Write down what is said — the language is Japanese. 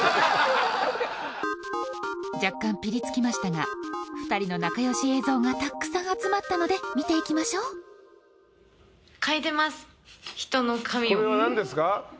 若干ピリつきましたが２人の仲よし映像がたくさん集まったので見ていきましょうこれは何ですか？